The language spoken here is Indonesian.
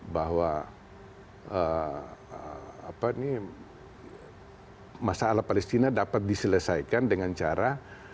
bahwa masalah palestina dapat diselesaikan dengan cara